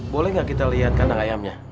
boleh gak kita liatkan anak ayamnya